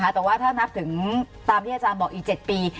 แต่ว่าถ้านับถึงตามที่อาจารย์บอกอีก๗ปี